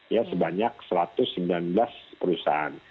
ya sebanyak satu ratus sembilan belas perusahaan